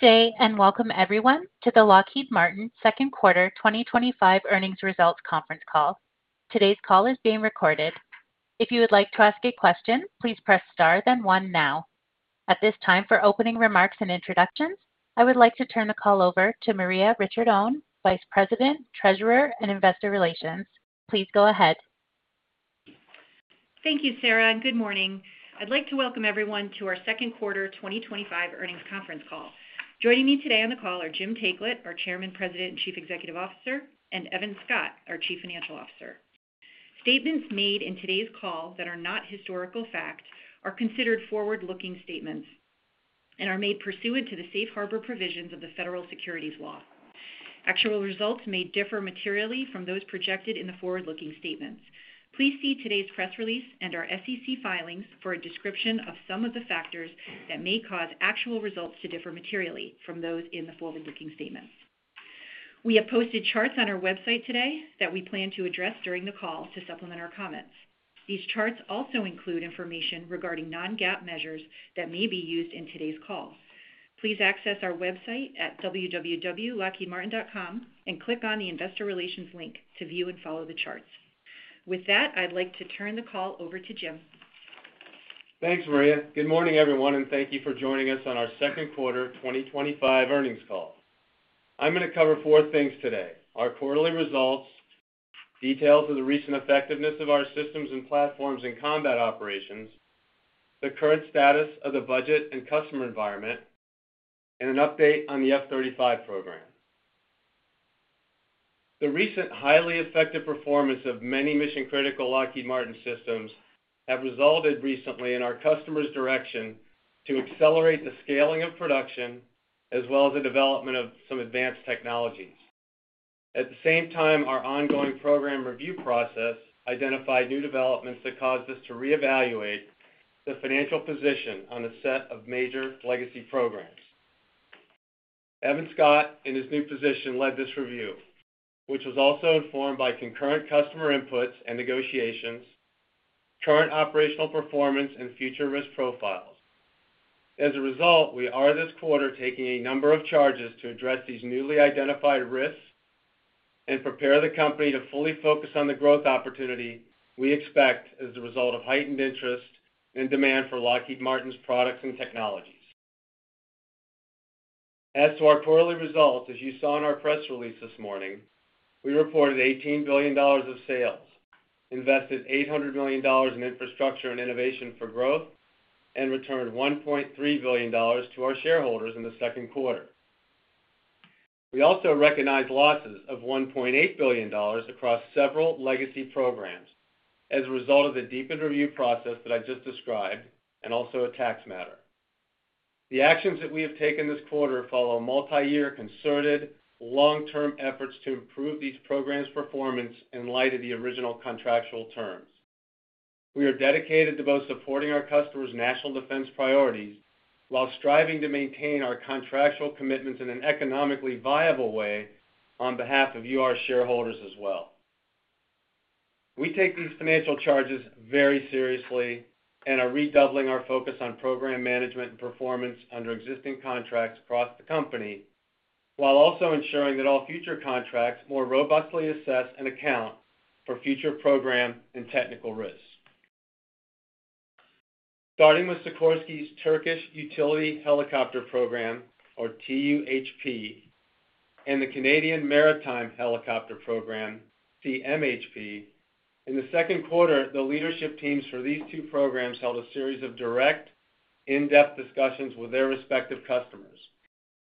Good day and welcome, everyone, to the Lockheed Martin Second Quarter 2025 Earnings Results Conference Call. Today's call is being recorded. If you would like to ask a question, please press star then one now. At this time, for opening remarks and introductions, I would like to turn the call over to Maria Ricciardone, Vice President, Treasurer, and Investor Relations. Please go ahead. Thank you, Sarah, and good morning. I'd like to welcome everyone to our second quarter 2025 earnings conference call. Joining me today on the call are Jim Taiclet, our Chairman, President, and Chief Executive Officer, and Evan Scott, our Chief Financial Officer. Statements made in today's call that are not historical fact are considered forward-looking statements and are made pursuant to the safe harbor provisions of the federal securities law. Actual results may differ materially from those projected in the forward-looking statements. Please see today's press release and our SEC filings for a description of some of the factors that may cause actual results to differ materially from those in the forward-looking statements. We have posted charts on our website today that we plan to address during the call to supplement our comments. These charts also include information regarding non-GAAP measures that may be used in today's call. Please access our website at www.lockheedmartin.com and click on the Investor Relations link to view and follow the charts. With that, I'd like to turn the call over to Jim. Thanks, Maria. Good morning, everyone, and thank you for joining us on our Second Quarter 2025 Earnings Call. I'm going to cover four things today: our quarterly results, details of the recent effectiveness of our systems and platforms in combat operations, the current status of the budget and customer environment, and an update on the F-35 program. The recent highly effective performance of many mission-critical Lockheed Martin systems has resulted recently in our customers' direction to accelerate the scaling of production as well as the development of some advanced technologies. At the same time, our ongoing program review process identified new developments that caused us to reevaluate the financial position on a set of major legacy programs. Evan Scott in his new position led this review, which was also informed by concurrent customer inputs and negotiations, current operational performance, and future risk profiles. As a result, we are this quarter taking a number of charges to address these newly identified risks and prepare the company to fully focus on the growth opportunity we expect as a result of heightened interest and demand for Lockheed Martin's products and technologies. As to our quarterly results, as you saw in our press release this morning, we reported $18 billion of sales, invested $800 million in infrastructure and innovation for growth, and returned $1.3 billion to our shareholders in the second quarter. We also recognized losses of $1.8 billion across several legacy programs as a result of the deepened review process that I just described and also a tax matter. The actions that we have taken this quarter follow multi-year concerted long-term efforts to improve these programs' performance in light of the original contractual terms. We are dedicated to both supporting our customers' national defense priorities while striving to maintain our contractual commitments in an economically viable way on behalf of you, our shareholders, as well. We take these financial charges very seriously and are redoubling our focus on program management and performance under existing contracts across the company, while also ensuring that all future contracts more robustly assess and account for future program and technical risks. Starting with Sikorsky's Turkish Utility Helicopter Program, or TUHP, and the Canadian Maritime Helicopter Program, CMHP, in the second quarter, the leadership teams for these two programs held a series of direct, in-depth discussions with their respective customers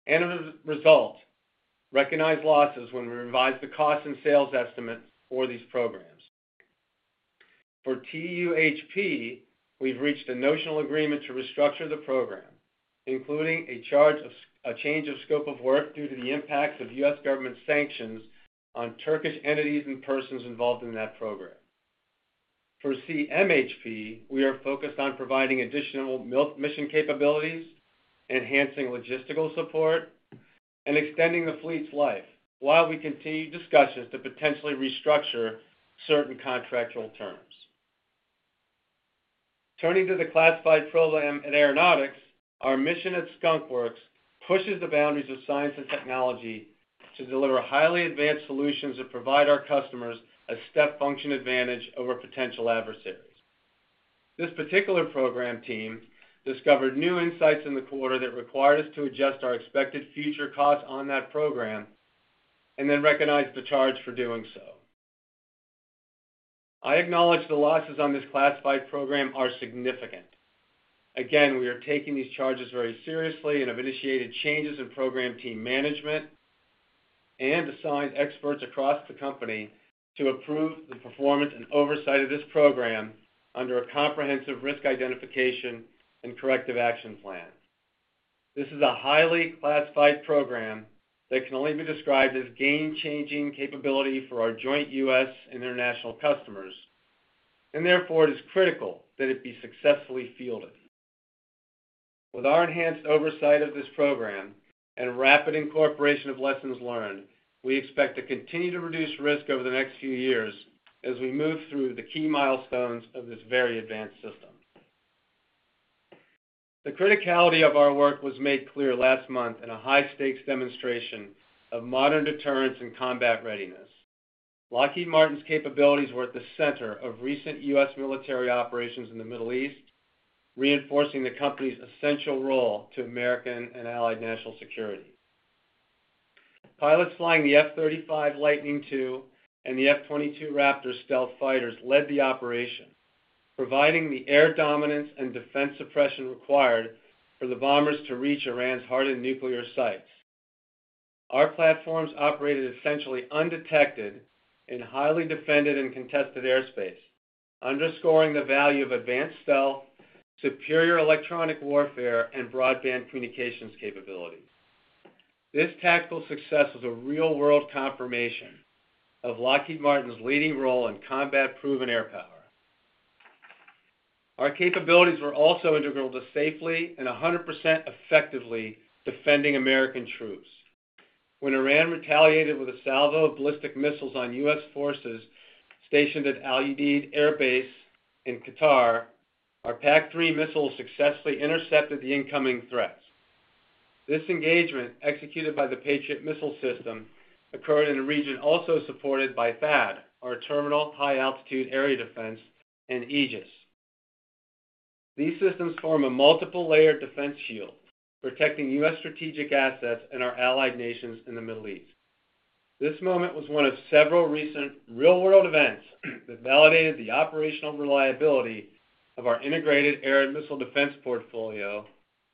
and, as a result, recognized losses when we revised the cost and sales estimates for these programs. For TUHP, we've reached a notional agreement to restructure the program, including a change of scope of work due to the impact of U.S. government sanctions on Turkish entities and persons involved in that program. For CMHP, we are focused on providing additional mission capabilities, enhancing logistical support, and extending the fleet's life while we continue discussions to potentially restructure certain contractual terms. Turning to the classified program in aeronautics, our mission at Skunk Works pushes the boundaries of science and technology to deliver highly advanced solutions that provide our customers a step function advantage over potential adversaries. This particular program team discovered new insights in the quarter that required us to adjust our expected future costs on that program, and then recognized the charge for doing so. I acknowledge the losses on this classified program are significant. We are taking these charges very seriously and have initiated changes in program team management, and assigned experts across the company to approve the performance and oversight of this program under a comprehensive risk identification and corrective action plan. This is a highly classified program that can only be described as game-changing capability for our joint U.S. and international customers. Therefore, it is critical that it be successfully fielded. With our enhanced oversight of this program and rapid incorporation of lessons learned, we expect to continue to reduce risk over the next few years as we move through the key milestones of this very advanced system. The criticality of our work was made clear last month in a high-stakes demonstration of modern deterrence and combat readiness. Lockheed Martin's capabilities were at the center of recent U.S. military operations in the Middle East, reinforcing the company's essential role to American and allied national security. Pilots flying the F-35 Lightning II and the F-22 Raptor stealth fighters led the operation, providing the air dominance and defense suppression required for the bombers to reach Iran's hardened nuclear sites. Our platforms operated essentially undetected in highly defended and contested airspace, underscoring the value of advanced stealth, superior electronic warfare, and broadband communications capabilities. This tactical success was a real-world confirmation of Lockheed Martin's leading role in combat-proven air power. Our capabilities were also integral to safely and 100% effectively defending American troops. When Iran retaliated with a salvo of ballistic missiles on U.S. forces stationed at Al Udeid Air Base in Qatar, our PAC-3 missiles successfully intercepted the incoming threats. This engagement, executed by the Patriot missile system, occurred in a region also supported by THAAD, our Terminal High Altitude Area Defense, and Aegis. These systems form a multiple-layered defense shield protecting U.S. strategic assets and our allied nations in the Middle East. This moment was one of several recent real-world events that validated the operational reliability of our integrated air and missile defense portfolio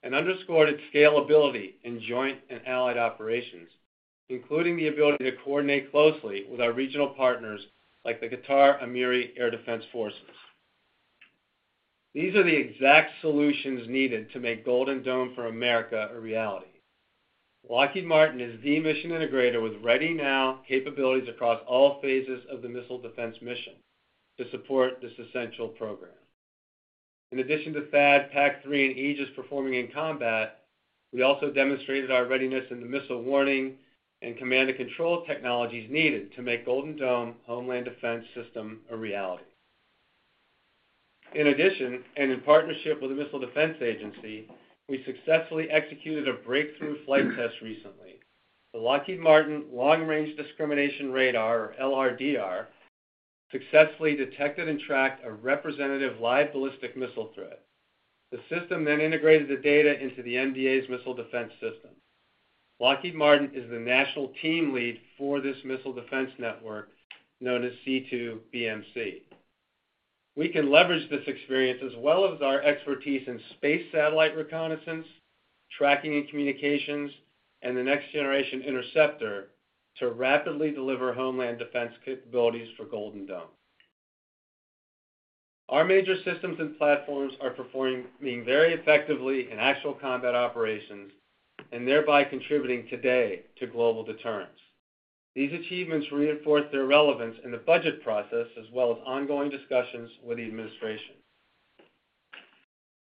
and underscored its scalability in joint and allied operations, including the ability to coordinate closely with our regional partners like the Qatar-Emiri Air Defense Forces. These are the exact solutions needed to make Golden Dome for America a reality. Lockheed Martin is the mission integrator with ready-now capabilities across all phases of the missile defense mission to support this essential program. In addition to THAAD, PAC-3, and Aegis performing in combat, we also demonstrated our readiness in the missile warning and command and control technologies needed to make Golden Dome Homeland Defense System a reality. In addition, and in partnership with the Missile Defense Agency, we successfully executed a breakthrough flight test recently. The Lockheed Martin Long Range Discrimination Radar, or LRDR, successfully detected and tracked a representative live ballistic missile threat. The system then integrated the data into the MDA's missile defense system. Lockheed Martin is the national team lead for this missile defense network known as C2BMC. We can leverage this experience as well as our expertise in space satellite reconnaissance, tracking and communications, and the next-generation interceptor to rapidly deliver homeland defense capabilities for Golden Dome. Our major systems and platforms are performing very effectively in actual combat operations and thereby contributing today to global deterrence. These achievements reinforce their relevance in the budget process as well as ongoing discussions with the administration.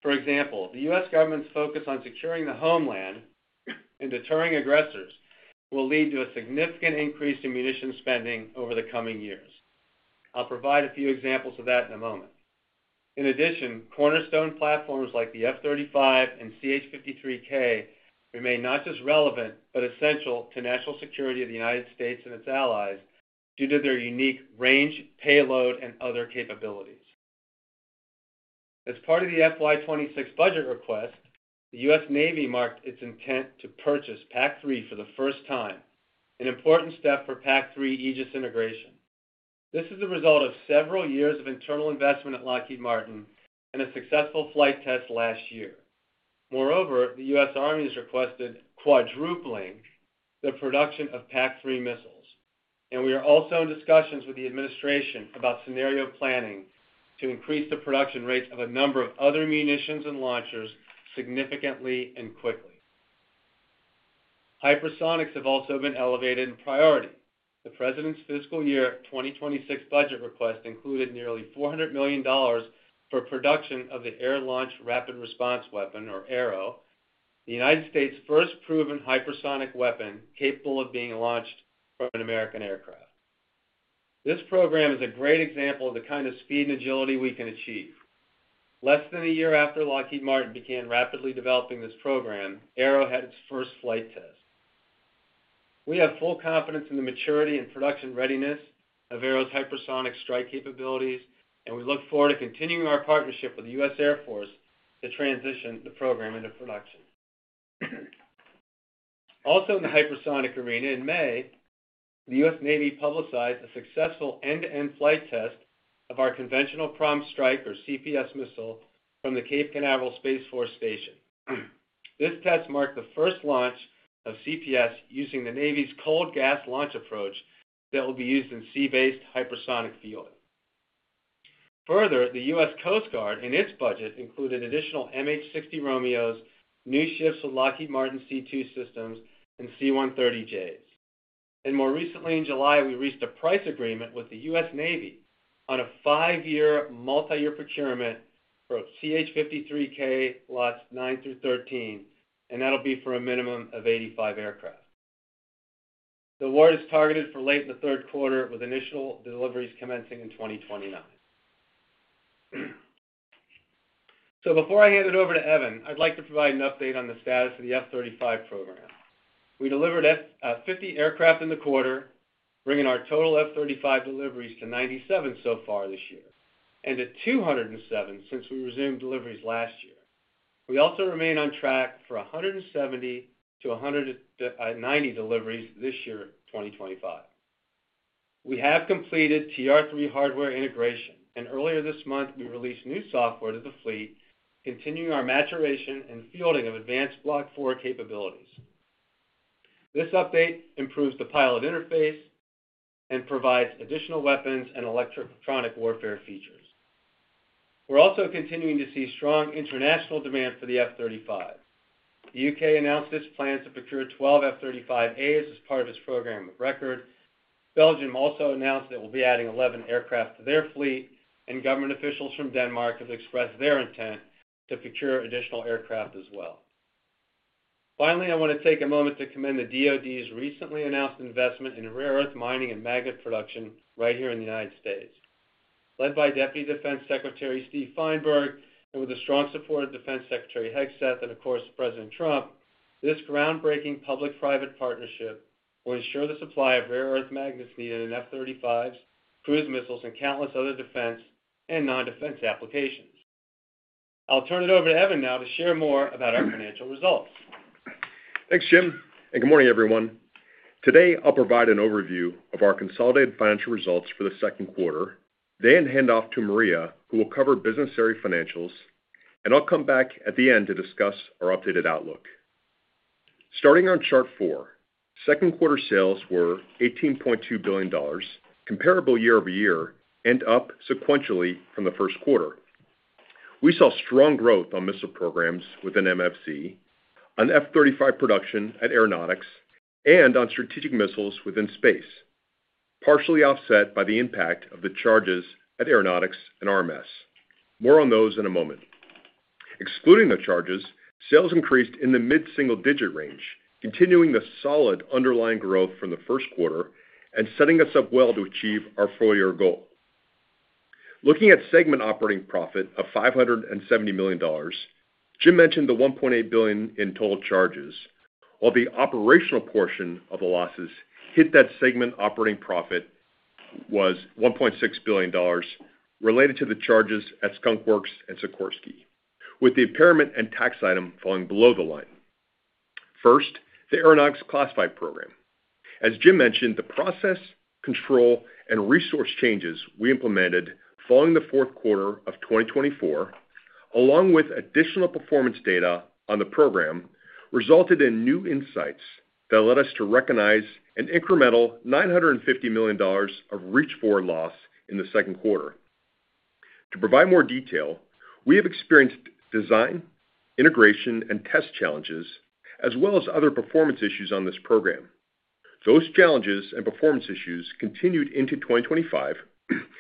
For example, the U.S. government's focus on securing the homeland and deterring aggressors will lead to a significant increase in munitions spending over the coming years. I'll provide a few examples of that in a moment. In addition, cornerstone platforms like the F-35 and CH-53K remain not just relevant but essential to national security of the United States and its allies due to their unique range, payload, and other capabilities. As part of the FY2026 budget request, the U.S. Navy marked its intent to purchase PAC-3 for the first time, an important step for PAC-3 Aegis integration. This is the result of several years of internal investment at Lockheed Martin and a successful flight test last year. Moreover, the U.S. Army has requested quadrupling the production of PAC-3 missiles, and we are also in discussions with the administration about scenario planning to increase the production rates of a number of other munitions and launchers significantly and quickly. Hypersonics have also been elevated in priority. The President's fiscal year 2026 budget request included nearly $400 million for production of the Air-Launched Rapid Response Weapon, or ARRW, the United States' first proven hypersonic weapon capable of being launched from an American aircraft. This program is a great example of the kind of speed and agility we can achieve. Less than a year after Lockheed Martin began rapidly developing this program, ARRW had its first flight test. We have full confidence in the maturity and production readiness of ARRW's hypersonic strike capabilities, and we look forward to continuing our partnership with the U.S. Air Force to transition the program into production. Also, in the hypersonic arena, in May, the U.S. Navy publicized a successful end-to-end flight test of our Conventional Prompt Strike, or CPS, missile from the Cape Canaveral Space Force Station. This test marked the first launch of CPS using the Navy's cold gas launch approach that will be used in sea-based hypersonic fueling. Further, the U.S. Coast Guard in its budget included additional MH-60 Romeos, new ships with Lockheed Martin C-2 systems, and C-130Js. More recently, in July, we reached a price agreement with the U.S. Navy on a five-year multi-year procurement for CH-53K, lots 9-13, and that'll be for a minimum of 85 aircraft. The award is targeted for late in the third quarter, with initial deliveries commencing in 2029. Before I hand it over to Evan, I'd like to provide an update on the status of the F-35 program. We delivered 50 aircraft in the quarter, bringing our total F-35 deliveries to 97 so far this year and to 207 since we resumed deliveries last year. We also remain on track for 170-190 deliveries this year, 2025. We have completed TR-3 hardware integration, and earlier this month, we released new software to the fleet, continuing our maturation and fielding of advanced Block 4 capabilities. This update improves the pilot interface and provides additional weapons and electronic warfare features. We're also continuing to see strong international demand for the F-35. The U.K. announced its plans to procure 12 F-35As as part of its program of record. Belgium also announced that it will be adding 11 aircraft to their fleet, and government officials from Denmark have expressed their intent to procure additional aircraft as well. Finally, I want to take a moment to commend the DOD's recently announced investment in rare earth mining and magnet production right here in the United States. Led by Deputy Defense Secretary Steve Feinberg and with the strong support of Defense Secretary Hegseth and, of course, President Trump, this groundbreaking public-private partnership will ensure the supply of rare earth magnets needed in F-35s, cruise missiles, and countless other defense and non-defense applications. I'll turn it over to Evan now to share more about our financial results. Thanks, Jim. Good morning, everyone. Today, I'll provide an overview of our consolidated financial results for the second quarter. Then I'll hand off to Maria, who will cover business area financials, and I'll come back at the end to discuss our updated outlook. Starting on chart four, second quarter sales were $18.2 billion, comparable year over year, and up sequentially from the first quarter. We saw strong growth on missile programs within MFC, on F-35 production at aeronautics, and on strategic missiles within space, partially offset by the impact of the charges at aeronautics and RMS. More on those in a moment. Excluding the charges, sales increased in the mid-single-digit range, continuing the solid underlying growth from the first quarter and setting us up well to achieve our four-year goal. Looking at segment operating profit of $570 million, Jim mentioned the $1.8 billion in total charges, while the operational portion of the losses that hit that segment operating profit was $1.6 billion, related to the charges at Skunk Works and Sikorsky, with the impairment and tax item falling below the line. First, the aeronautics classified program. As Jim mentioned, the process, control, and resource changes we implemented following the fourth quarter of 2024, along with additional performance data on the program, resulted in new insights that led us to recognize an incremental $950 million of reach-forward loss in the second quarter. To provide more detail, we have experienced design, integration, and test challenges, as well as other performance issues on this program. Those challenges and performance issues continued into 2025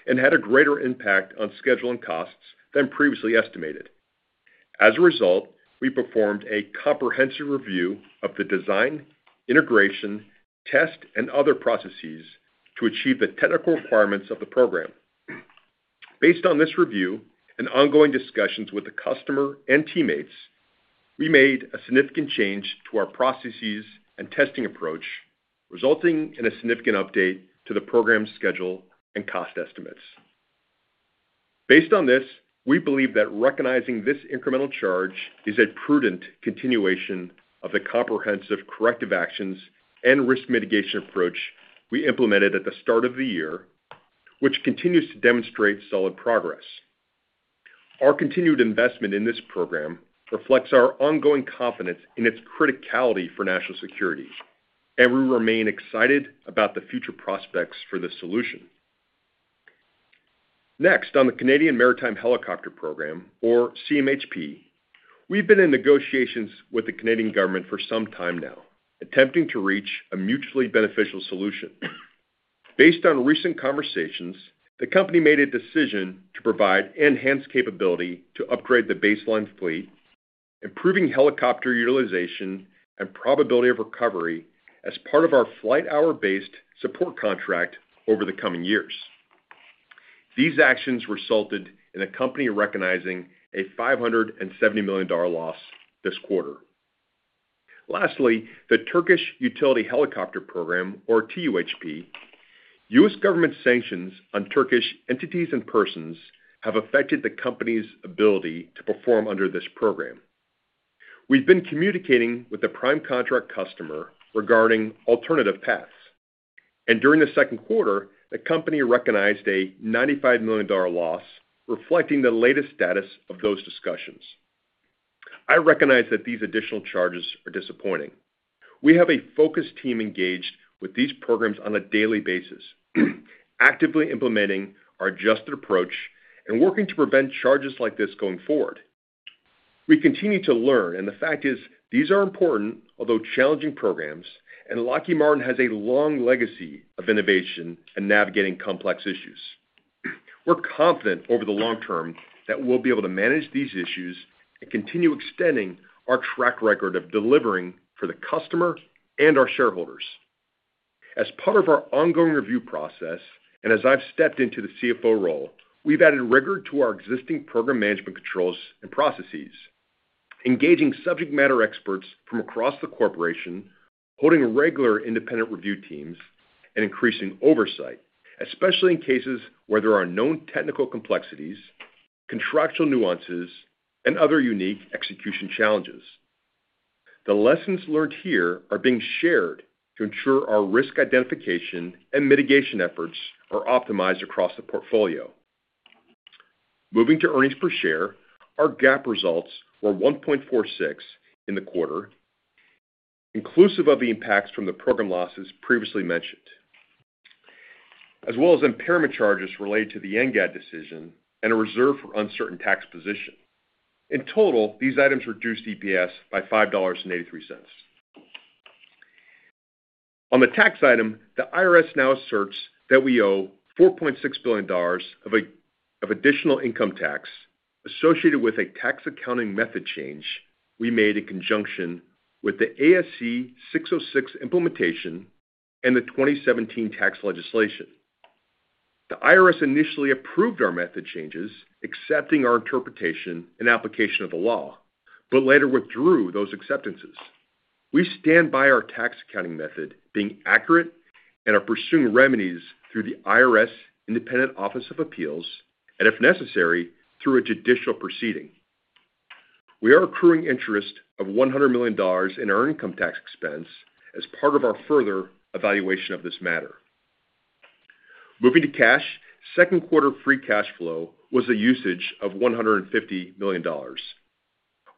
and had a greater impact on schedule and costs than previously estimated. As a result, we performed a comprehensive review of the design, integration, test, and other processes to achieve the technical requirements of the program. Based on this review and ongoing discussions with the customer and teammates, we made a significant change to our processes and testing approach, resulting in a significant update to the program schedule and cost estimates. Based on this, we believe that recognizing this incremental charge is a prudent continuation of the comprehensive corrective actions and risk mitigation approach we implemented at the start of the year, which continues to demonstrate solid progress. Our continued investment in this program reflects our ongoing confidence in its criticality for national security, and we remain excited about the future prospects for the solution. Next, on the Canadian Maritime Helicopter Program, or CMHP, we've been in negotiations with the Canadian government for some time now, attempting to reach a mutually beneficial solution. Based on recent conversations, the company made a decision to provide enhanced capability to upgrade the baseline fleet, improving helicopter utilization and probability of recovery as part of our flight hour-based support contract over the coming years. These actions resulted in the company recognizing a $570 million loss this quarter. Lastly, the Turkish Utility Helicopter Program, or TUHP. U.S. government sanctions on Turkish entities and persons have affected the company's ability to perform under this program. We've been communicating with the prime contract customer regarding alternative paths. During the second quarter, the company recognized a $95 million loss, reflecting the latest status of those discussions. I recognize that these additional charges are disappointing. We have a focused team engaged with these programs on a daily basis. Actively implementing our adjusted approach and working to prevent charges like this going forward. We continue to learn, and the fact is these are important, although challenging programs, and Lockheed Martin has a long legacy of innovation and navigating complex issues. We're confident over the long term that we'll be able to manage these issues and continue extending our track record of delivering for the customer and our shareholders. As part of our ongoing review process, and as I've stepped into the CFO role, we've added rigor to our existing program management controls and processes. Engaging subject matter experts from across the corporation, holding regular independent review teams, and increasing oversight, especially in cases where there are known technical complexities, contractual nuances, and other unique execution challenges. The lessons learned here are being shared to ensure our risk identification and mitigation efforts are optimized across the portfolio. Moving to earnings per share, our GAAP results were $1.46 in the quarter, inclusive of the impacts from the program losses previously mentioned, as well as impairment charges related to the NGAD decision and a reserve for uncertain tax position. In total, these items reduced EPS by $5.83. On the tax item, the IRS now asserts that we owe $4.6 billion of additional income tax associated with a tax accounting method change we made in conjunction with the ASC 606 implementation and the 2017 tax legislation. The IRS initially approved our method changes, accepting our interpretation and application of the law, but later withdrew those acceptances. We stand by our tax accounting method being accurate and are pursuing remedies through the IRS Independent Office of Appeals and, if necessary, through a judicial proceeding. We are accruing interest of $100 million in our income tax expense as part of our further evaluation of this matter. Moving to cash, second quarter free cash flow was the usage of $150 million.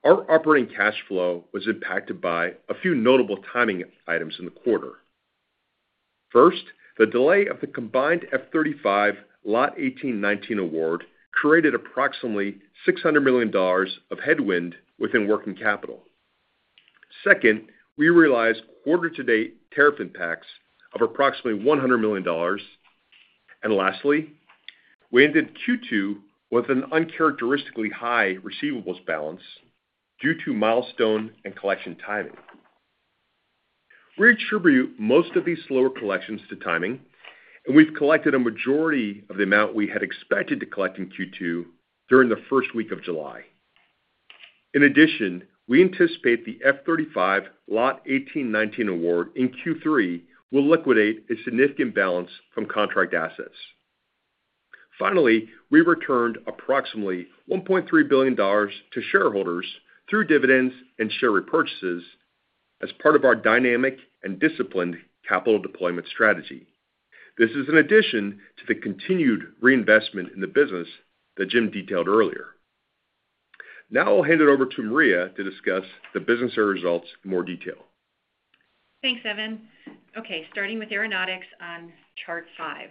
Our operating cash flow was impacted by a few notable timing items in the quarter. First, the delay of the combined F-35 Lot 18-19 award created approximately $600 million of headwind within working capital. Second, we realized quarter-to-date tariff impacts of approximately $100 million. Lastly, we ended Q2 with an uncharacteristically high receivables balance due to milestone and collection timing. We attribute most of these slower collections to timing, and we have collected a majority of the amount we had expected to collect in Q2 during the first week of July. In addition, we anticipate the F-35 Lot 18-19 award in Q3 will liquidate a significant balance from contract assets. Finally, we returned approximately $1.3 billion to shareholders through dividends and share repurchases as part of our dynamic and disciplined capital deployment strategy. This is in addition to the continued reinvestment in the business that Jim detailed earlier. Now I'll hand it over to Maria to discuss the business area results in more detail. Thanks, Evan. Okay, starting with aeronautics on chart five.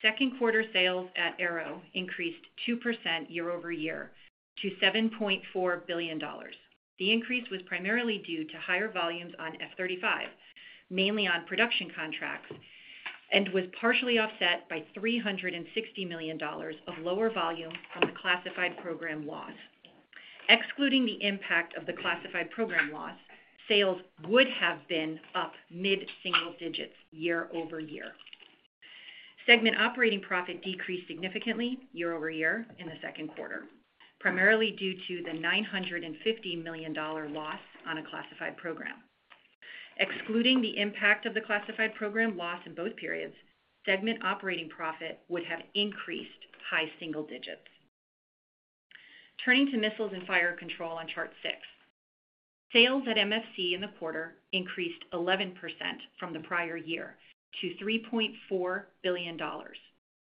Second quarter sales at Aero increased 2% year over year to $7.4 billion. The increase was primarily due to higher volumes on F-35, mainly on production contracts, and was partially offset by $360 million of lower volume from the classified program loss. Excluding the impact of the classified program loss, sales would have been up mid-single digits year over year. Segment operating profit decreased significantly year over year in the second quarter, primarily due to the $950 million loss on a classified program. Excluding the impact of the classified program loss in both periods, segment operating profit would have increased high single digits. Turning to missiles and fire control on chart six. Sales at MFC in the quarter increased 11% from the prior year to $3.4 billion,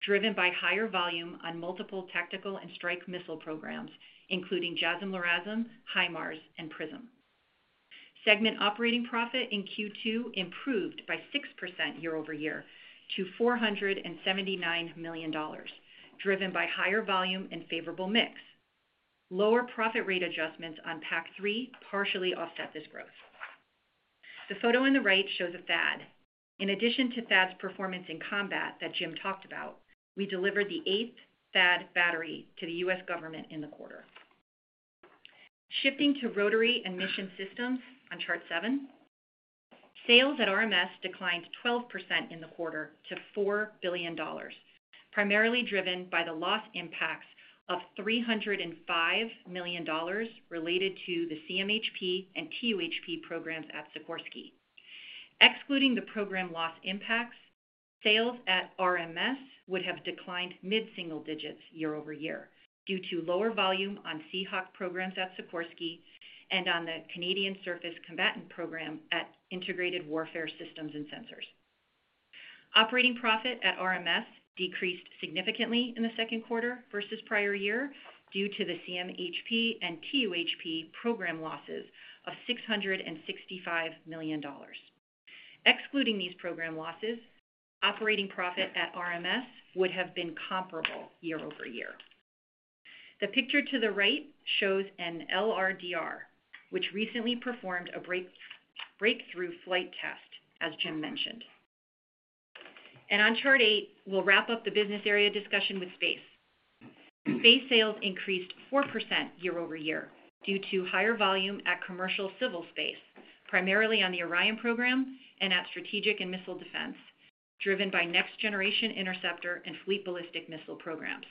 driven by higher volume on multiple tactical and strike missile programs, including JASSM-LRASM, HIMARS, and PrISM. Segment operating profit in Q2 improved by 6% year over year to $479 million, driven by higher volume and favorable mix. Lower profit rate adjustments on PAC-3 partially offset this growth. The photo on the right shows a THAAD. In addition to THAAD's performance in combat that Jim talked about, we delivered the eighth THAAD battery to the U.S. government in the quarter. Shifting to rotary and mission systems on chart seven. Sales at RMS declined 12% in the quarter to $4 billion, primarily driven by the loss impacts of $305 million related to the CMHP and TUHP programs at Sikorsky. Excluding the program loss impacts, sales at RMS would have declined mid-single digits year over year due to lower volume on Seahawk programs at Sikorsky and on the Canadian Surface Combatant program at Integrated Warfare Systems and Sensors. Operating profit at RMS decreased significantly in the second quarter versus prior year due to the CMHP and TUHP program losses of $665 million. Excluding these program losses, operating profit at RMS would have been comparable year over year. The picture to the right shows an LRDR, which recently performed a breakthrough flight test, as Jim mentioned. On chart eight, we'll wrap up the business area discussion with space. Space sales increased 4% year over year due to higher volume at commercial civil space, primarily on the Orion program and at strategic and missile defense, driven by next-generation interceptor and fleet ballistic missile programs.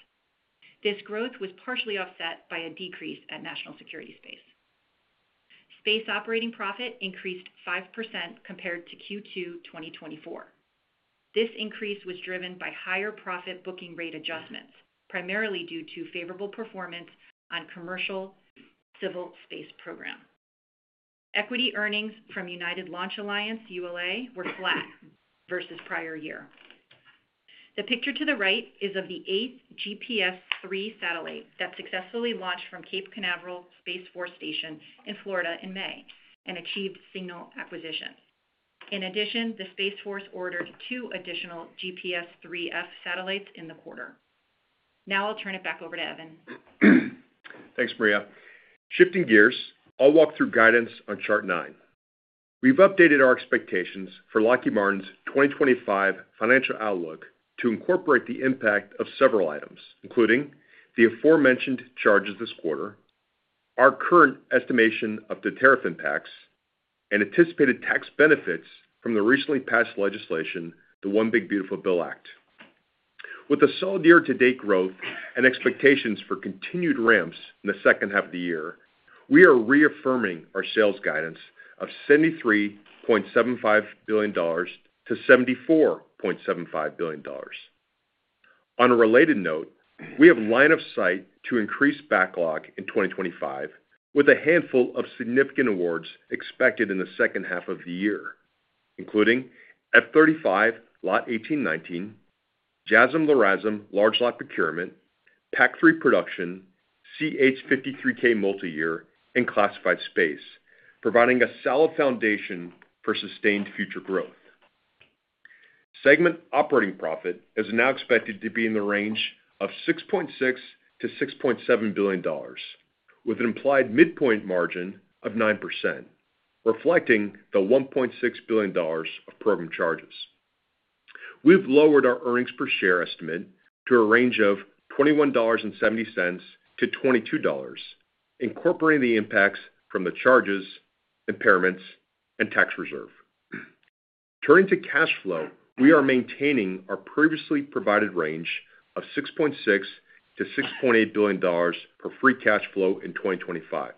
This growth was partially offset by a decrease at national security space. Space operating profit increased 5% compared to Q2 2024. This increase was driven by higher profit booking rate adjustments, primarily due to favorable performance on commercial civil space program. Equity earnings from United Launch Alliance, ULA, were flat versus prior year. The picture to the right is of the eighth GPS-3 satellite that successfully launched from Cape Canaveral Space Force Station in Florida in May and achieved signal acquisition. In addition, the Space Force ordered two additional GPS-3F satellites in the quarter. Now I'll turn it back over to Evan. Thanks, Maria. Shifting gears, I'll walk through guidance on chart nine. We've updated our expectations for Lockheed Martin's 2025 financial outlook to incorporate the impact of several items, including the aforementioned charges this quarter, our current estimation of the tariff impacts, and anticipated tax benefits from the recently passed legislation, the One Big Beautiful Bill Act. With a solid year-to-date growth and expectations for continued ramps in the second half of the year, we are reaffirming our sales guidance of $73.75 billion-$74.75 billion. On a related note, we have line of sight to increase backlog in 2025 with a handful of significant awards expected in the second half of the year, including F-35 Lot 18-19, JASSM-LRASM large lot procurement, PAC-3 production, CH-53K multi-year, and classified space, providing a solid foundation for sustained future growth. Segment operating profit is now expected to be in the range of $6.6 billion-$6.7 billion, with an implied midpoint margin of 9%, reflecting the $1.6 billion of program charges. We've lowered our earnings per share estimate to a range of $21.70-$22, incorporating the impacts from the charges, impairments, and tax reserve. Turning to cash flow, we are maintaining our previously provided range of $6.6 billion-$6.8 billion for free cash flow in 2025.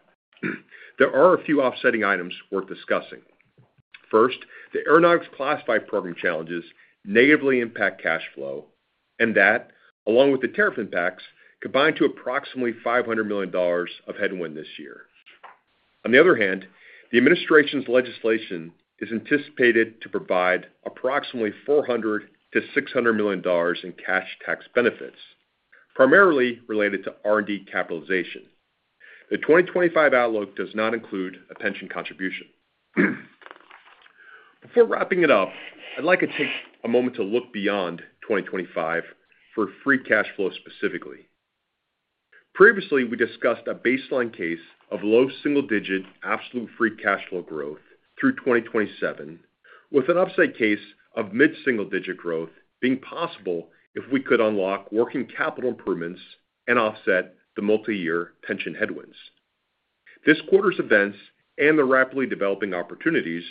There are a few offsetting items worth discussing. First, the aeronautics classified program challenges negatively impact cash flow and that, along with the tariff impacts, combine to approximately $500 million of headwind this year. On the other hand, the administration's legislation is anticipated to provide approximately $400 million-$600 million in cash tax benefits, primarily related to R&D capitalization. The 2025 outlook does not include a pension contribution. Before wrapping it up, I'd like to take a moment to look beyond 2025 for free cash flow specifically. Previously, we discussed a baseline case of low single-digit absolute free cash flow growth through 2027, with an upside case of mid-single-digit growth being possible if we could unlock working capital improvements and offset the multi-year pension headwinds. This quarter's events and the rapidly developing opportunities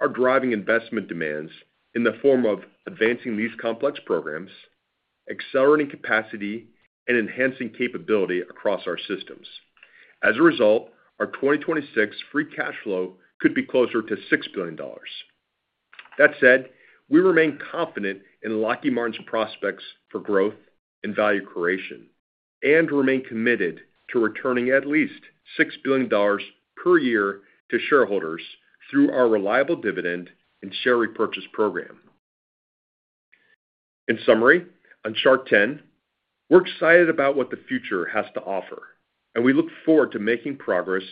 are driving investment demands in the form of advancing these complex programs, accelerating capacity, and enhancing capability across our systems. As a result, our 2026 free cash flow could be closer to $6 billion. That said, we remain confident in Lockheed Martin's prospects for growth and value creation and remain committed to returning at least $6 billion per year to shareholders through our reliable dividend and share repurchase program. In summary, on chart 10, we're excited about what the future has to offer, and we look forward to making progress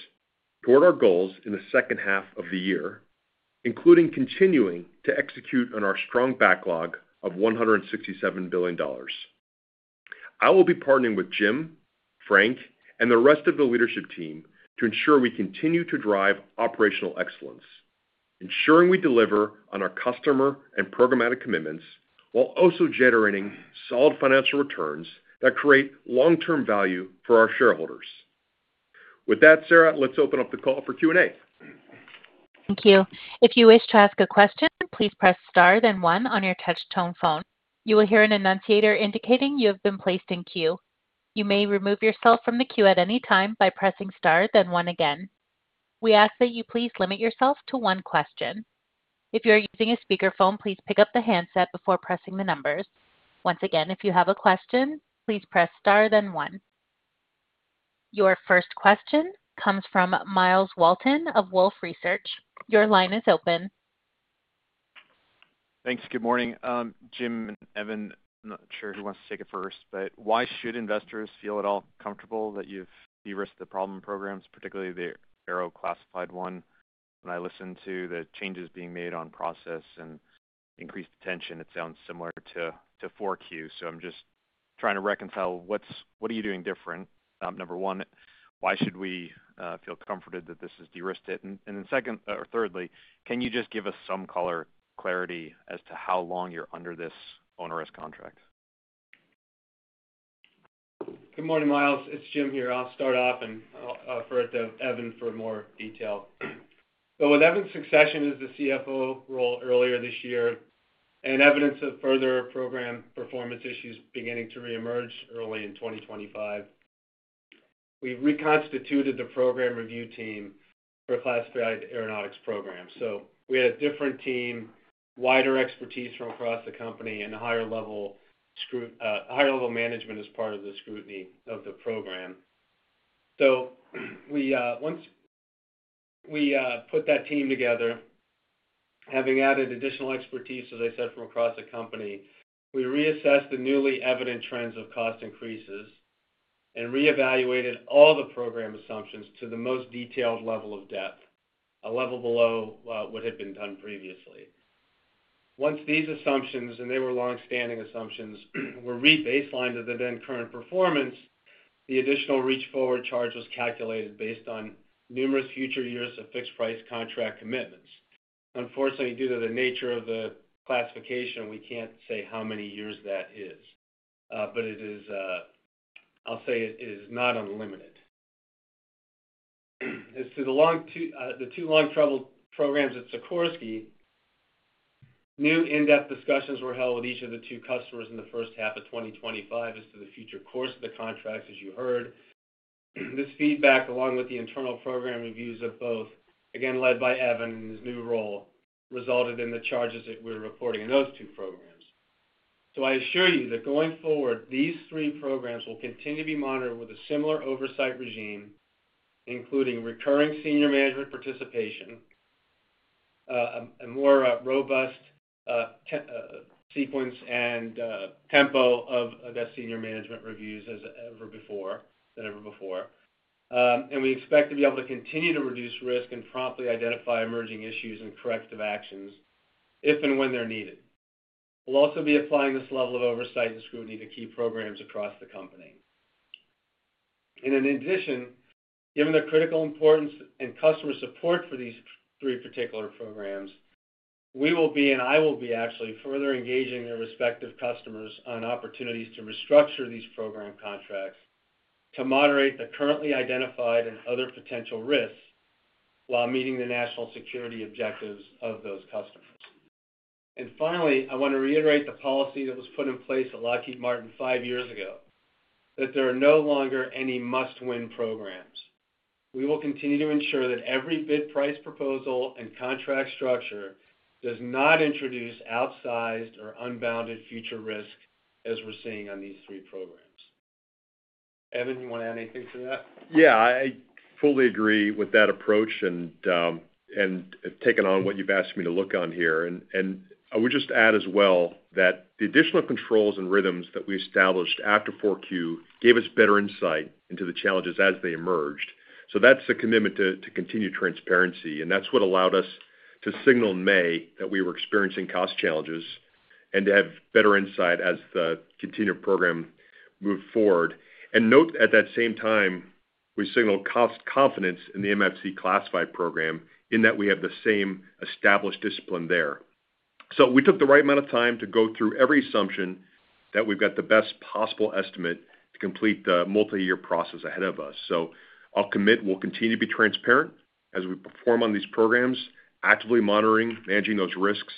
toward our goals in the second half of the year, including continuing to execute on our strong backlog of $167 billion. I will be partnering with Jim, Frank, and the rest of the leadership team to ensure we continue to drive operational excellence, ensuring we deliver on our customer and programmatic commitments while also generating solid financial returns that create long-term value for our shareholders. With that, Sarah, let's open up the call for Q&A. Thank you. If you wish to ask a question, please press star then one on your touch-tone phone. You will hear an annunciator indicating you have been placed in queue. You may remove yourself from the queue at any time by pressing star then one again. We ask that you please limit yourself to one question. If you're using a speakerphone, please pick up the handset before pressing the numbers. Once again, if you have a question, please press star then one. Your first question comes from Myles Walton of Wolfe Research. Your line is open. Thanks. Good morning. Jim and Evan, I'm not sure who wants to take it first, but why should investors feel at all comfortable that you've de-risked the problem programs, particularly the Aero classified one? When I listen to the changes being made on process and increased attention, it sounds similar to four Q. So I'm just trying to reconcile, what are you doing different? Number one, why should we feel comforted that this has de-risked it? And then second or thirdly, can you just give us some color clarity as to how long you're under this onerous contract? Good morning, Myles. It's Jim here. I'll start off and offer it to Evan for more detail. So with Evan's succession as the CFO role earlier this year, and evidence of further program performance issues beginning to reemerge early in 2025, we reconstituted the program review team for classified aeronautics programs. We had a different team, wider expertise from across the company, and a higher level. Management as part of the scrutiny of the program. Once we put that team together, having added additional expertise, as I said, from across the company, we reassessed the newly evident trends of cost increases and reevaluated all the program assumptions to the most detailed level of depth, a level below what had been done previously. Once these assumptions, and they were long-standing assumptions, were rebaselined to the then current performance, the additional reach-forward charge was calculated based on numerous future years of fixed-price contract commitments. Unfortunately, due to the nature of the classification, we can't say how many years that is. I'll say it is not unlimited. As to the two long-traveled programs at Sikorsky, new in-depth discussions were held with each of the two customers in the first half of 2025 as to the future course of the contracts, as you heard. This feedback, along with the internal program reviews of both, again, led by Evan in his new role, resulted in the charges that we're reporting in those two programs. I assure you that going forward, these three programs will continue to be monitored with a similar oversight regime, including recurring senior management participation. A more robust sequence and tempo of the senior management reviews than ever before. We expect to be able to continue to reduce risk and promptly identify emerging issues and corrective actions if and when they're needed. We'll also be applying this level of oversight and scrutiny to key programs across the company. In addition, given the critical importance and customer support for these three particular programs, we will be, and I will be, actually further engaging their respective customers on opportunities to restructure these program contracts to moderate the currently identified and other potential risks while meeting the national security objectives of those customers. Finally, I want to reiterate the policy that was put in place at Lockheed Martin five years ago, that there are no longer any must-win programs. We will continue to ensure that every bid-price proposal and contract structure does not introduce outsized or unbounded future risk as we are seeing on these three programs. Evan, you want to add anything to that? Yeah. I fully agree with that approach and, taking on what you have asked me to look on here, I would just add as well that the additional controls and rhythms that we established after fourth quarter gave us better insight into the challenges as they emerged. That is a commitment to continue transparency. That is what allowed us to signal in May that we were experiencing cost challenges and to have better insight as the continued program moved forward. At that same time, we signaled cost confidence in the MFC classified program in that we have the same established discipline there. We took the right amount of time to go through every assumption so that we have the best possible estimate to complete the multi-year process ahead of us. I will commit we will continue to be transparent as we perform on these programs, actively monitoring, managing those risks,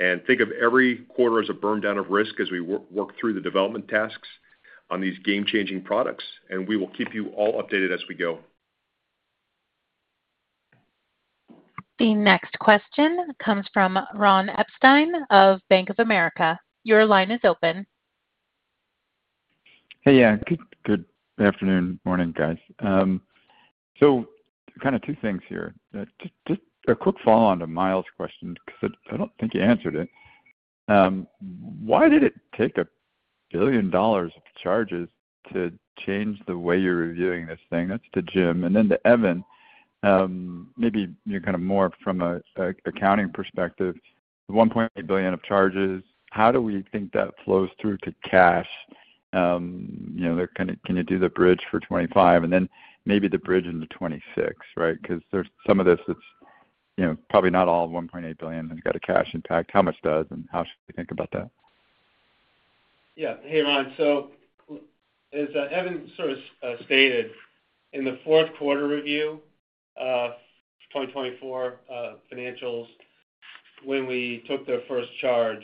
and think of every quarter as a burn down of risk as we work through the development tasks on these game-changing products. We will keep you all updated as we go. The next question comes from Ron Epstein of Bank of America. Your line is open. Hey, yeah. Good afternoon, morning, guys. Two things here. Just a quick follow-on to Myles' question because I do not think you answered it. Why did it take $1 billion of charges to change the way you are reviewing this thing? That is to Jim. Then to Evan, maybe more from an accounting perspective, the $1.8 billion of charges, how do we think that flows through to cash? Can you do the bridge for 2025? Then maybe the bridge into 2026, right? Because some of this is probably not all $1.8 billion has got a cash impact. How much does, and how should we think about that? Yeah. Hey, Ron. As Evan sort of stated, in the fourth quarter review of 2024 financials, when we took the first charge,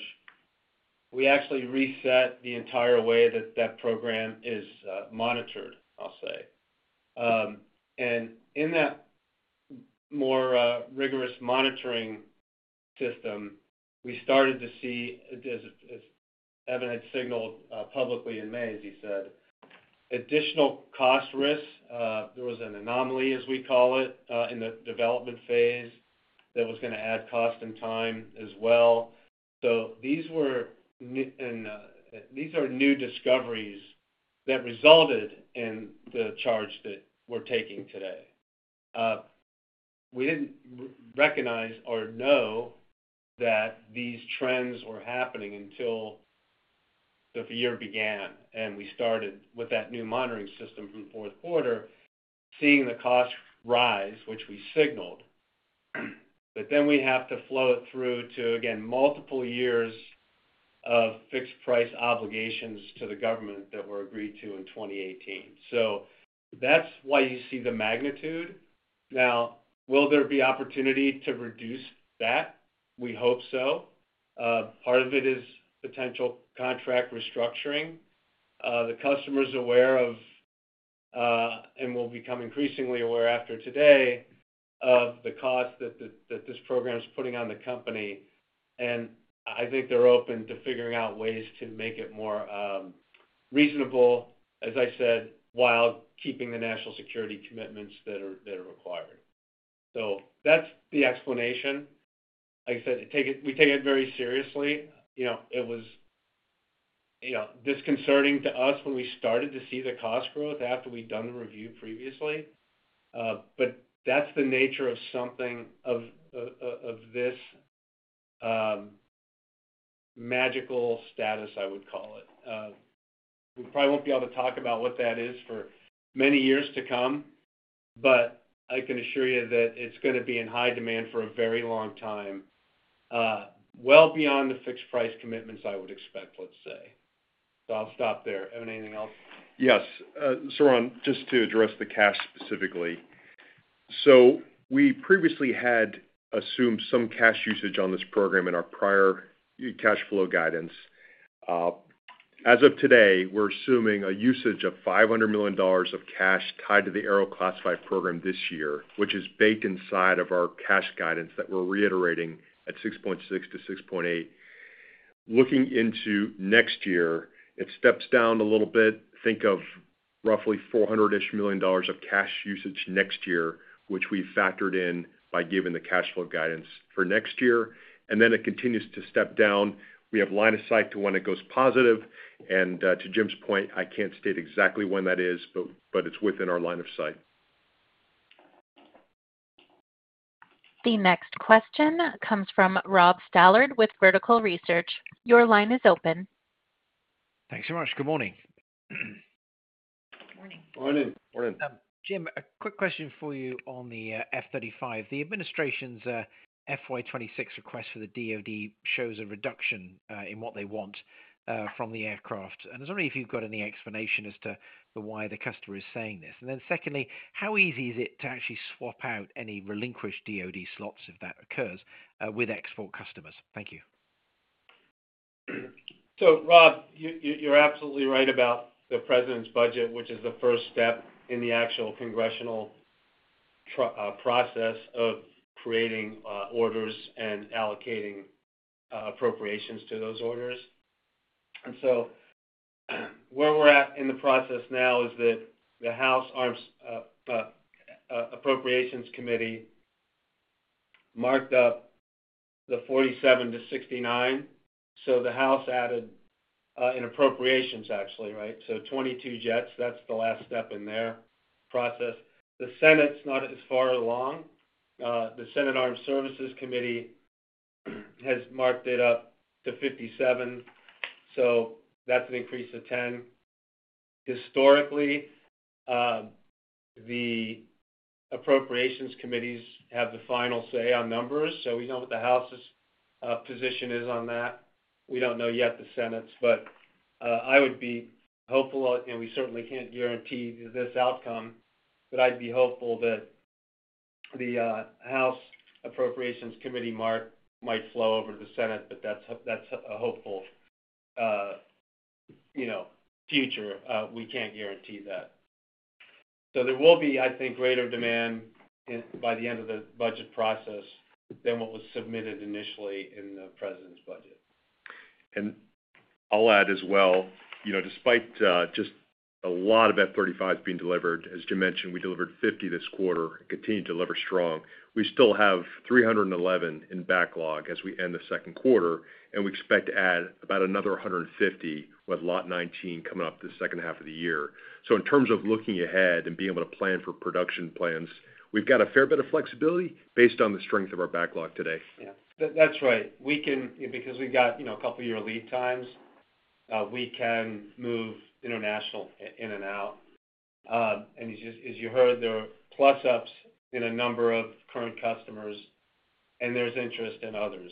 we actually reset the entire way that that program is monitored, I will say. In that more rigorous monitoring system, we started to see, as Evan had signaled publicly in May, as he said, additional cost risks. There was an anomaly, as we call it, in the development phase that was going to add cost and time as well. These are new discoveries that resulted in the charge that we are taking today. We did not recognize or know that these trends were happening until the year began. We started with that new monitoring system from fourth quarter, seeing the cost rise, which we signaled. But then we have to flow it through to, again, multiple years of fixed-price obligations to the government that were agreed to in 2018. That's why you see the magnitude. Now, will there be opportunity to reduce that? We hope so. Part of it is potential contract restructuring. The customer is aware of and will become increasingly aware after today of the cost that this program is putting on the company. I think they're open to figuring out ways to make it more reasonable, as I said, while keeping the national security commitments that are required. That's the explanation. Like I said, we take it very seriously. It was disconcerting to us when we started to see the cost growth after we'd done the review previously. That's the nature of this. Magical status, I would call it. We probably won't be able to talk about what that is for many years to come, but I can assure you that it's going to be in high demand for a very long time, well beyond the fixed-price commitments I would expect, let's say. I'll stop there. Evan? Anything else? Yes. Ron, just to address the cash specifically. We previously had assumed some cash usage on this program in our prior cash flow guidance. As of today, we're assuming a usage of $500 million of cash tied to the Aero classified program this year, which is baked inside of our cash guidance that we're reiterating at $6.6 billion-$6.8 billion. Looking into next year, it steps down a little bit. Think of roughly $400 million-ish of cash usage next year, which we've factored in by giving the cash flow guidance for next year. Then it continues to step down. We have line of sight to when it goes positive. To Jim's point, I can't state exactly when that is, but it's within our line of sight. The next question comes from Rob Stallard with Vertical Research. Your line is open. Thanks very much. Good morning. Good morning. Morning. Morning. Jim, a quick question for you on the F-35. The administration's FY2026 request for the DOD shows a reduction in what they want from the aircraft. I was wondering if you've got any explanation as to why the customer is saying this. Then secondly, how easy is it to actually swap out any relinquished DOD slots, if that occurs, with export customers? Thank you. Rob, you're absolutely right about the president's budget, which is the first step in the actual congressional process of creating orders and allocating appropriations to those orders. Where we're at in the process now is that the House Armed Appropriations Committee marked up the 47 to 69. The House added in appropriations, actually, right? So 22 jets, that's the last step in their process. The Senate's not as far along. The Senate Armed Services Committee has marked it up to 57. That's an increase of 10. Historically, the Appropriations Committees have the final say on numbers. We don't know what the House's position is on that. We don't know yet the Senate's. I would be hopeful, and we certainly can't guarantee this outcome, but I'd be hopeful that the House Appropriations Committee mark might flow over to the Senate, but that's a hopeful future. We can't guarantee that. There will be, I think, greater demand by the end of the budget process than what was submitted initially in the president's budget. I'll add as well, despite just a lot of F-35s being delivered, as Jim mentioned, we delivered 50 this quarter and continue to deliver strong. We still have 311 in backlog as we end the second quarter, and we expect to add about another 150 with Lot 19 coming up the second half of the year. In terms of looking ahead and being able to plan for production plans, we've got a fair bit of flexibility based on the strength of our backlog today. Yeah, that's right. Because we've got a couple-year lead times. We can move international in and out. As you heard, there are plus-ups in a number of current customers, and there's interest in others,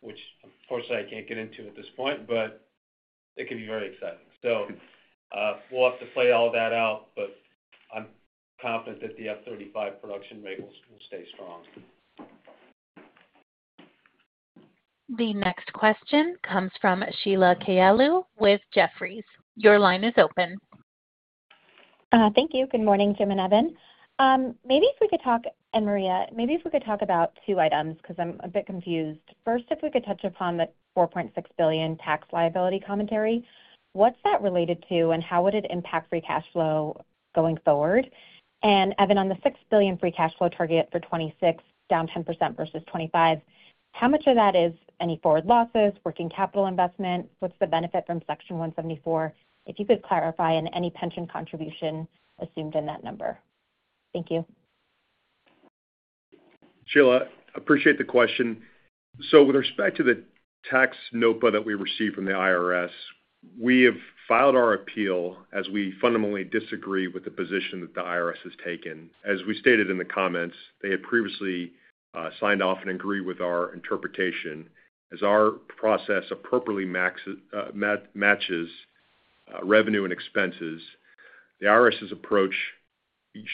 which, unfortunately, I can't get into at this point, but it could be very exciting. We'll have to play all that out, but I'm confident that the F-35 production rate will stay strong. The next question comes from Sheila Kahyouglu with Jefferies. Your line is open. Thank you. Good morning, Jim and Evan. Maybe if we could talk, and Maria, maybe if we could talk about two items because I'm a bit confused. First, if we could touch upon the $4.6 billion tax liability commentary. What's that related to, and how would it impact free cash flow going forward? Evan, on the $6 billion free cash flow target for 2026, down 10% versus 2025, how much of that is any forward losses, working capital investment? What's the benefit from Section 174? If you could clarify in any pension contribution assumed in that number. Thank you. Sheila, I appreciate the question. With respect to the tax NOPA that we received from the IRS, we have filed our appeal as we fundamentally disagree with the position that the IRS has taken. As we stated in the comments, they had previously signed off and agreed with our interpretation. As our process appropriately matches revenue and expenses, the IRS's approach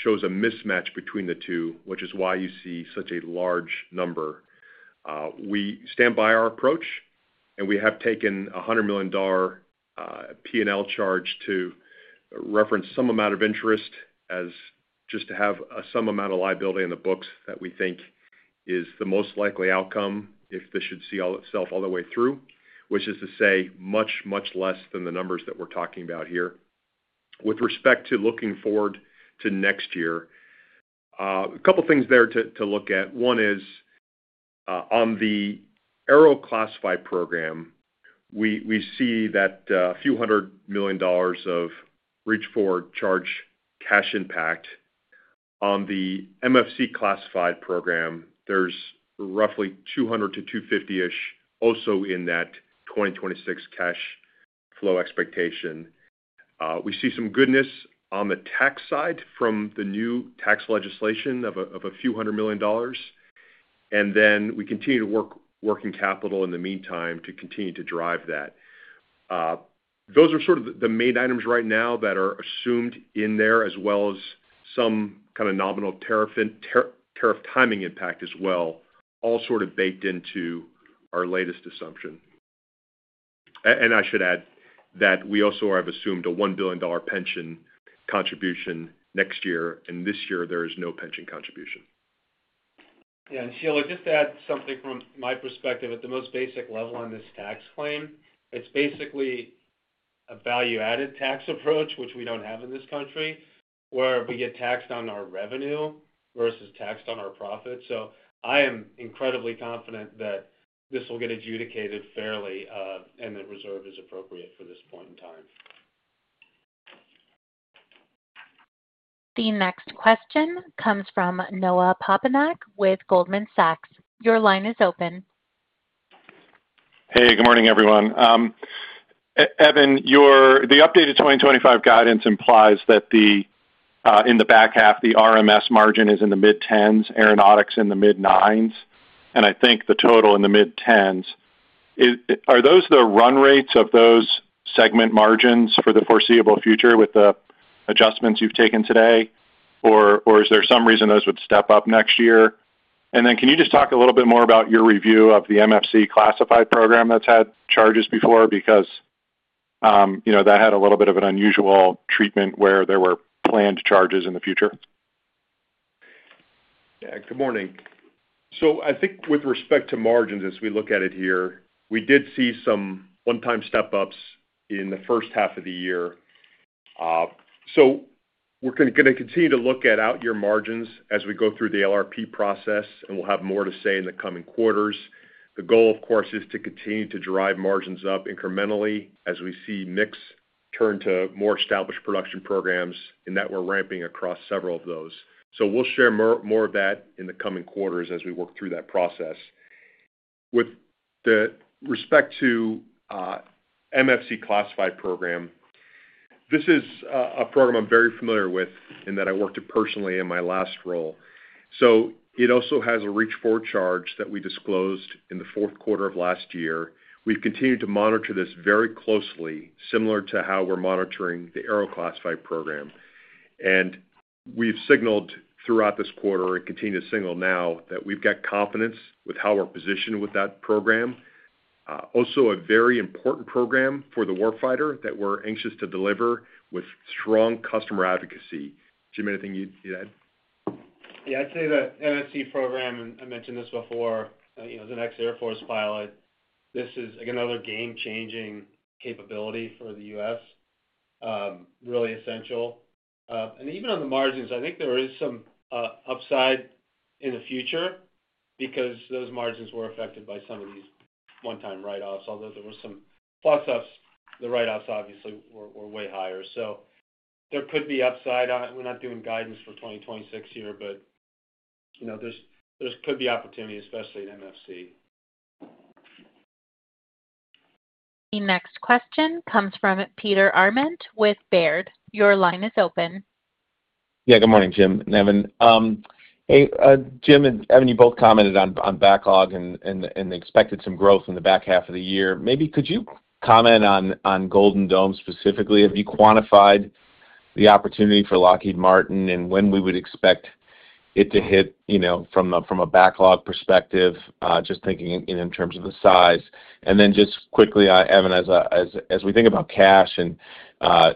shows a mismatch between the two, which is why you see such a large number. We stand by our approach, and we have taken a $100 million P&L charge to reference some amount of interest just to have some amount of liability in the books that we think is the most likely outcome if this should see itself all the way through, which is to say much, much less than the numbers that we're talking about here. With respect to looking forward to next year, a couple of things there to look at. One is. On the Aero classified program. We see that a few hundred million dollars of reach forward charge cash impact. On the MFC classified program, there's roughly $200 million-$250 million also in that 2026 cash flow expectation. We see some goodness on the tax side from the new tax legislation of a few hundred million dollars. We continue to work in capital in the meantime to continue to drive that. Those are sort of the main items right now that are assumed in there, as well as some kind of nominal tariff timing impact as well, all sort of baked into our latest assumption. I should add that we also have assumed a $1 billion pension contribution next year, and this year, there is no pension contribution. Yeah. Sheila, just to add something from my perspective at the most basic level on this tax claim, it's basically. A value-added tax approach, which we don't have in this country, where we get taxed on our revenue versus taxed on our profits. I am incredibly confident that this will get adjudicated fairly and the reserve is appropriate for this point in time. The next question comes from Noah Poponak with Goldman Sachs. Your line is open. Hey, good morning, everyone. Evan, the updated 2025 guidance implies that. In the back half, the RMS margin is in the mid-10s, aeronautics in the mid-9s, and I think the total in the mid-10s. Are those the run rates of those segment margins for the foreseeable future with the adjustments you've taken today, or is there some reason those would step up next year? Can you just talk a little bit more about your review of the MFC classified program that's had charges before? Because. That had a little bit of an unusual treatment where there were planned charges in the future. Yeah. Good morning. I think with respect to margins, as we look at it here, we did see some one-time step-ups in the first half of the year. We're going to continue to look at out-year margins as we go through the LRP process, and we'll have more to say in the coming quarters. The goal, of course, is to continue to drive margins up incrementally as we see mix turn to more established production programs in that we're ramping across several of those. We'll share more of that in the coming quarters as we work through that process. With respect to. MFC classified program. This is a program I'm very familiar with and that I worked with personally in my last role. It also has a reach forward charge that we disclosed in the fourth quarter of last year. We've continued to monitor this very closely, similar to how we're monitoring the Aero classified program. We have signaled throughout this quarter and continue to signal now that we have confidence with how we are positioned with that program. Also, a very important program for the warfighter that we are anxious to deliver with strong customer advocacy. Jim, anything you would add? Yeah. I would say the MFC program, and I mentioned this before, as an ex-Air Force pilot, this is another game-changing capability for the U.S. Really essential. Even on the margins, I think there is some upside in the future because those margins were affected by some of these one-time write-offs, although there were some plus-ups. The write-offs, obviously, were way higher. There could be upside. We are not doing guidance for 2026 here, but there could be opportunity, especially in MFC. The next question comes from Peter Arment with Baird. Your line is open. Yeah. Good morning, Jim and Evan. Hey, Jim and Evan, you both commented on backlog and expected some growth in the back half of the year. Maybe could you comment on Golden Dome specifically? Have you quantified the opportunity for Lockheed Martin and when we would expect it to hit from a backlog perspective, just thinking in terms of the size? And then just quickly, Evan, as we think about cash and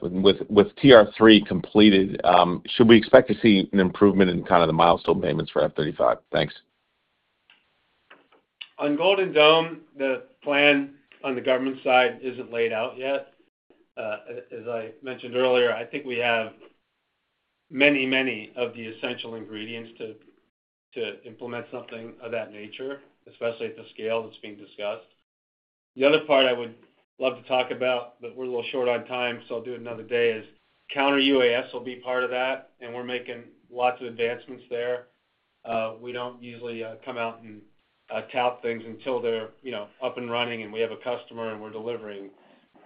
with TR-3 completed, should we expect to see an improvement in kind of the milestone payments for F-35? Thanks. On Golden Dome, the plan on the government side is not laid out yet. As I mentioned earlier, I think we have many, many of the essential ingredients to implement something of that nature, especially at the scale that is being discussed. The other part I would love to talk about, but we are a little short on time, so I will do it another day, is counter UAS will be part of that, and we are making lots of advancements there. We do not usually come out and tout things until they are up and running and we have a customer and we are delivering.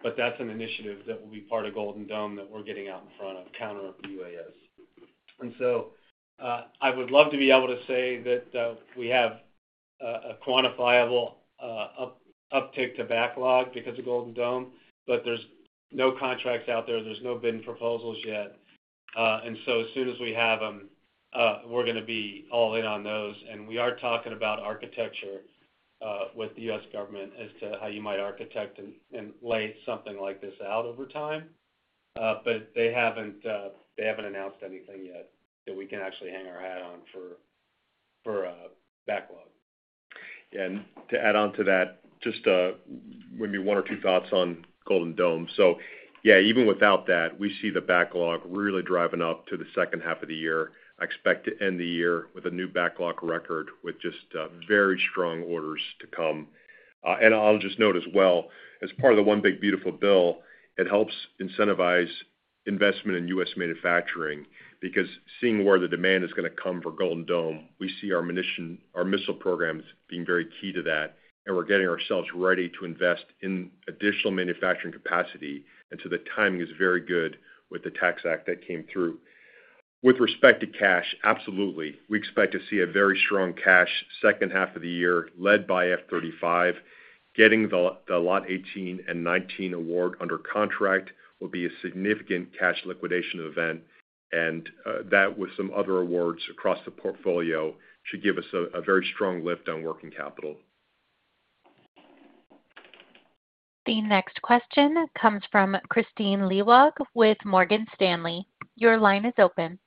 That is an initiative that will be part of Golden Dome that we are getting out in front of counter UAS. I would love to be able to say that we have a quantifiable uptake to backlog because of Golden Dome, but there are no contracts out there. There are no bid and proposals yet. As soon as we have them, we are going to be all in on those. We are talking about architecture with the U.S. government as to how you might architect and lay something like this out over time. They have not announced anything yet that we can actually hang our hat on for backlog. Yeah. To add on to that, just maybe one or two thoughts on Golden Dome. Even without that, we see the backlog really driving up to the second half of the year. I expect to end the year with a new backlog record with just very strong orders to come. I'll just note as well, as part of the One Big Beautiful Bill, it helps incentivize investment in U.S. manufacturing because seeing where the demand is going to come for Golden Dome, we see our missile programs being very key to that, and we're getting ourselves ready to invest in additional manufacturing capacity. The timing is very good with the tax act that came through. With respect to cash, absolutely. We expect to see a very strong cash second half of the year led by F-35. Getting the Lot 18 and 19 award under contract will be a significant cash liquidation event. That, with some other awards across the portfolio, should give us a very strong lift on working capital. The next question comes from Christine Leawog with Morgan Stanley. Your line is open.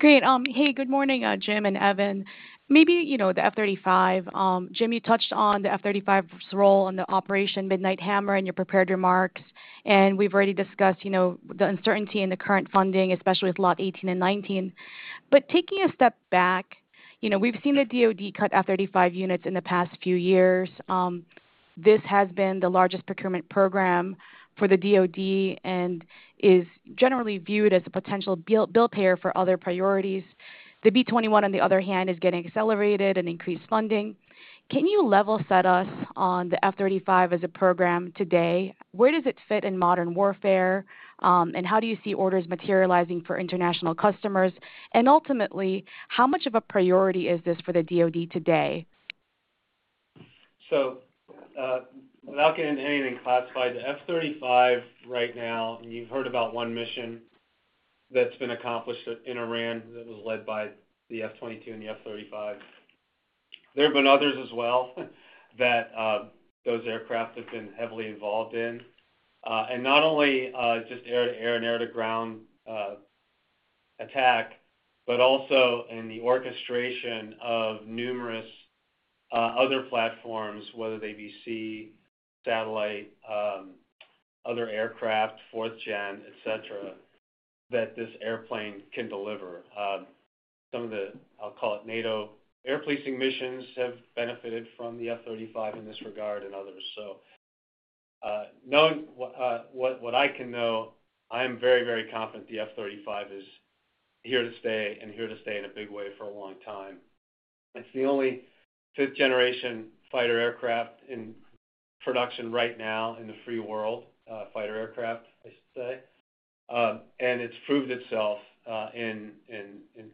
Great. Hey, good morning, Jim and Evan. Maybe the F-35. Jim, you touched on the F-35's role in the Operation Midnight Hammer, and you prepared your marks. We've already discussed the uncertainty in the current funding, especially with Lot 18 and 19. Taking a step back, we've seen the DOD cut F-35 units in the past few years. This has been the largest procurement program for the DOD and is generally viewed as a potential billpayer for other priorities. The B-21, on the other hand, is getting accelerated and increased funding. Can you level set us on the F-35 as a program today? Where does it fit in modern warfare, and how do you see orders materializing for international customers? Ultimately, how much of a priority is this for the DOD today? Without getting into anything classified, the F-35 right now, and you've heard about one mission that's been accomplished in Iran that was led by the F-22 and the F-35. There have been others as well that those aircraft have been heavily involved in. Not only just air-to-air and air-to-ground attack, but also in the orchestration of numerous other platforms, whether they be sea, satellite, other aircraft, fourth-gen, etc., that this airplane can deliver. Some of the, I'll call it, NATO airplacing missions have benefited from the F-35 in this regard and others. Knowing what I can know, I am very, very confident the F-35 is here to stay and here to stay in a big way for a long time. It's the only fifth-generation fighter aircraft in production right now in the free world, fighter aircraft, I should say. It's proved itself in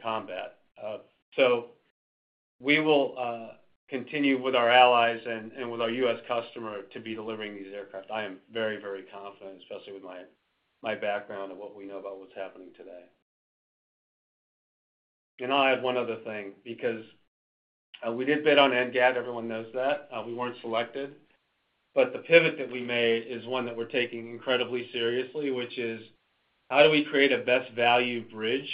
combat. We will continue with our allies and with our U.S. customer to be delivering these aircraft. I am very, very confident, especially with my background and what we know about what's happening today. I'll add one other thing because we did bid on NGAD. Everyone knows that. We weren't selected. The pivot that we made is one that we're taking incredibly seriously, which is how do we create a best value bridge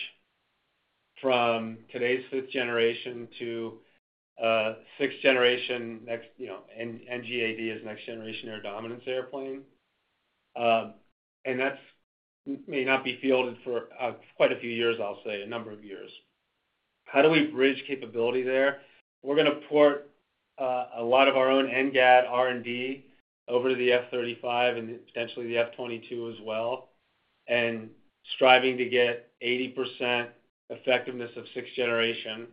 from today's fifth-generation to. Sixth-generation. NGAD as next-generation air dominance airplane? And that may not be fielded for quite a few years, I'll say, a number of years. How do we bridge capability there? We're going to port a lot of our own NGAD R&D over to the F-35 and potentially the F-22 as well. And striving to get 80% effectiveness of sixth-generation,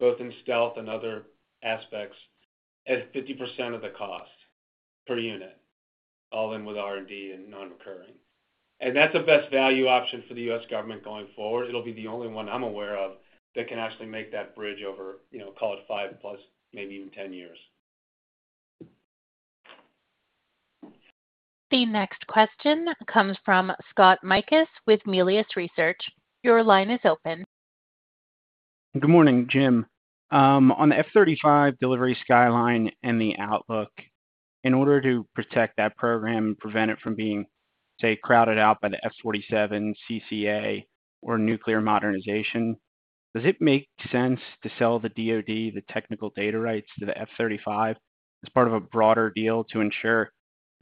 both in stealth and other aspects, at 50% of the cost. Per unit, all in with R&D and non-recurring. And that's a best value option for the U.S. government going forward. It'll be the only one I'm aware of that can actually make that bridge over, call it, five plus, maybe even ten years. The next question comes from Scott Mikus with Melius Research. Your line is open. Good morning, Jim. On the F-35 delivery skyline and the outlook, in order to protect that program and prevent it from being, say, crowded out by the F-47, CCA, or nuclear modernization, does it make sense to sell the DOD the technical data rights to the F-35 as part of a broader deal to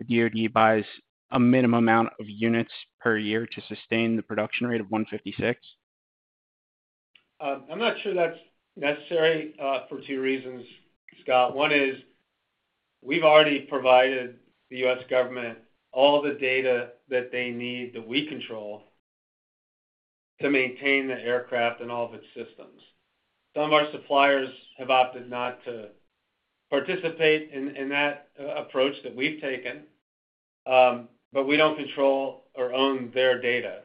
ensure the DOD buys a minimum amount of units per year to sustain the production rate of 156? I'm not sure that's necessary for two reasons, Scott. One is we've already provided the U.S. government all the data that they need that we control to maintain the aircraft and all of its systems. Some of our suppliers have opted not to participate in that approach that we've taken, but we don't control or own their data.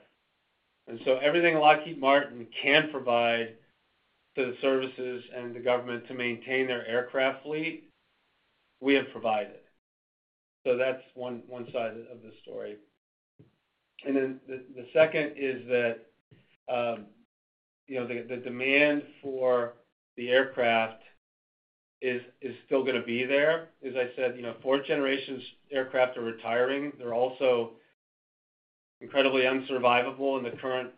And so everything Lockheed Martin can provide to the services and the government to maintain their aircraft fleet, we have provided. So that's one side of the story. And then the second is that the demand for the aircraft is still going to be there. As I said, fourth-generation aircraft are retiring. They're also incredibly unsurvivable in the current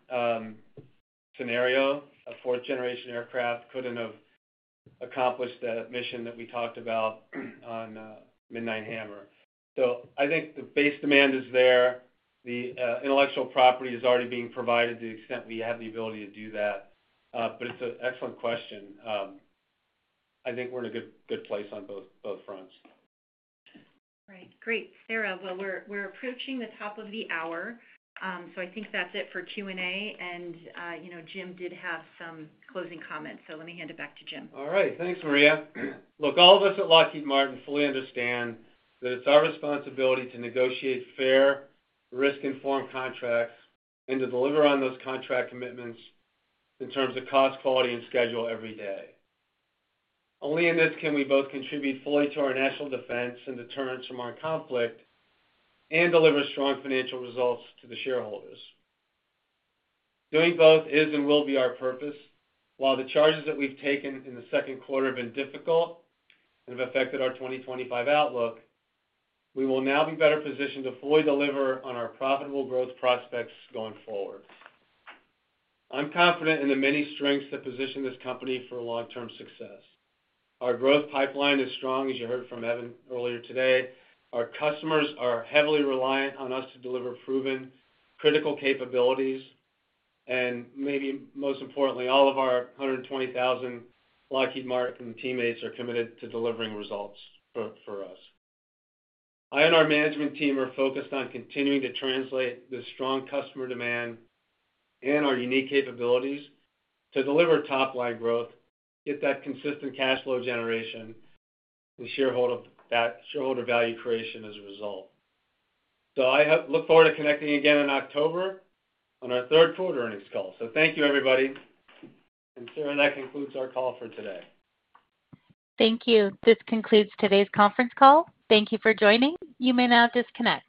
scenario. A fourth-generation aircraft couldn't have accomplished that mission that we talked about on Midnight Hammer. I think the base demand is there. The intellectual property is already being provided to the extent we have the ability to do that. But it's an excellent question. I think we're in a good place on both fronts. All right. Sarah, we're approaching the top of the hour. I think that's it for Q&A. Jim did have some closing comments. Let me hand it back to Jim. All right. Thanks, Maria. Look, all of us at Lockheed Martin fully understand that it's our responsibility to negotiate fair, risk-informed contracts and to deliver on those contract commitments in terms of cost, quality, and schedule every day. Only in this can we both contribute fully to our national defense and deterrence from our conflict and deliver strong financial results to the shareholders. Doing both is and will be our purpose. While the charges that we've taken in the second quarter have been difficult and have affected our 2025 outlook, we will now be better positioned to fully deliver on our profitable growth prospects going forward. I'm confident in the many strengths that position this company for long-term success. Our growth pipeline is strong, as you heard from Evan earlier today. Our customers are heavily reliant on us to deliver proven critical capabilities. Maybe most importantly, all of our 120,000 Lockheed Martin teammates are committed to delivering results for us. I and our management team are focused on continuing to translate the strong customer demand and our unique capabilities to deliver top-line growth, get that consistent cash flow generation, and shareholder value creation as a result. I look forward to connecting again in October on our third quarter earnings call. Thank you, everybody. Sarah, that concludes our call for today. Thank you. This concludes today's conference call. Thank you for joining. You may now disconnect.